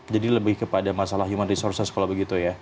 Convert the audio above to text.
jadi lebih kepada masalah human resources kalau begitu ya